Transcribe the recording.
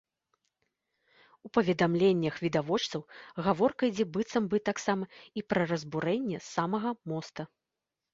У паведамленнях відавочцаў гаворка ідзе быццам бы таксама і пра разбурэнне самага моста.